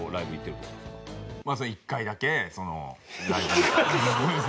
まあ１回だけライブに。